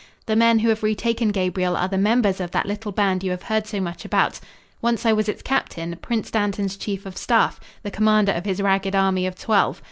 The men who have retaken Gabriel are the members of that little band you have heard so much about. Once I was its captain, Prince Dantan's chief of staff the commander of his ragged army of twelve.